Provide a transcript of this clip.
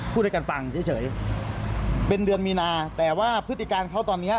พูดให้กันฟังเฉยเป็นเดือนมีนาแต่ว่าพฤติการเขาตอนเนี้ย